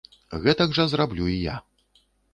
Гэтак жа зраблю і я!